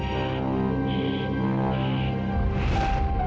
perhatikan kamu karl wrestlemania